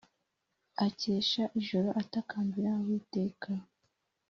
akesha ijoro atakambira Uwiteka